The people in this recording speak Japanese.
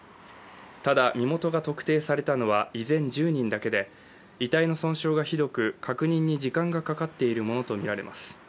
ただ、身元が特定されたのは依然１０人だけで遺体の損傷がひどく、確認に時間がかかっているものとみられます。